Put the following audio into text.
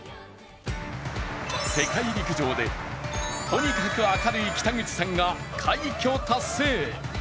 世界陸上でとにかく明るい北口さんが快挙達成。